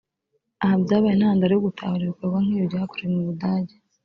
Aha byabaye intandaro yo gutahura ibikorwa nk’ibi byakorewe mu Budage